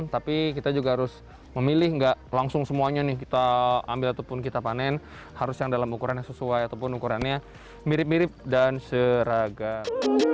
tapi kita juga harus memilih nggak langsung semuanya nih kita ambil ataupun kita panen harus yang dalam ukurannya sesuai ataupun ukurannya mirip mirip dan seragam